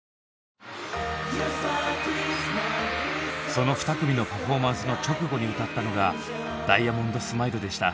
その２組のパフォーマンスの直後に歌ったのが「ダイヤモンドスマイル」でした。